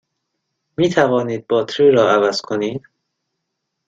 می توانید باتری را عوض کنید؟